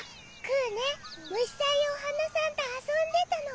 くぅねむしさんやおはなさんとあそんでたの。